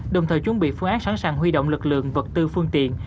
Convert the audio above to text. đồng thời chuẩn bị phương án sẵn sàng huy động lực lượng vật tư phương tiện